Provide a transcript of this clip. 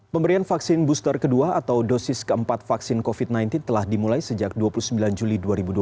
pemberian vaksin booster kedua atau dosis keempat vaksin covid sembilan belas telah dimulai sejak dua puluh sembilan juli dua ribu dua puluh